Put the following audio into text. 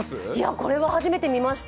これは初めて見ました。